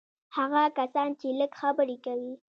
هغه کسان چې لږ خبرې کوي.